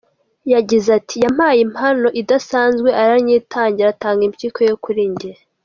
Yagize ati "Yampaye impano idasanzwe aranyitangira atanga impyiko ye kuri njye.